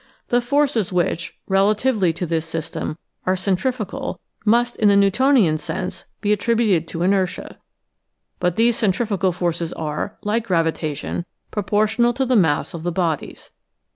The forces which, relatively to this system, are cen trifugal must, in the Newtonian sense, be attributed to inertia. But these centrifugal forces are, like gravitation, proportional to the mass of the bodies.